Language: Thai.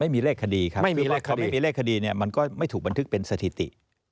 ไม่มีเลขคดีครับไม่มีเลขคดีเนี่ยมันก็ไม่ถูกบันทึกเป็นสถิติ